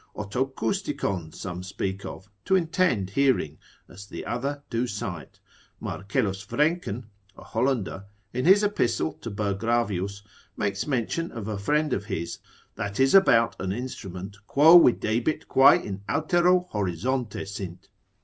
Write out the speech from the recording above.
Otocousticons some speak of, to intend hearing, as the other do sight; Marcellus Vrencken, a Hollander, in his epistle to Burgravius, makes mention of a friend of his that is about an instrument, quo videbit quae in altero horizonte sint.